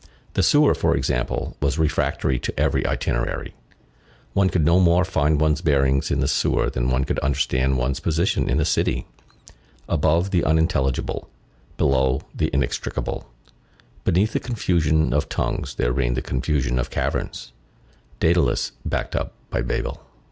The sewer, for example, was refractory to every itinerary. One could no more find one's bearings in the sewer than one could understand one's position in the city; above the unintelligible, below the inextricable; beneath the confusion of tongues there reigned the confusion of caverns; Dædalus backed up Babel.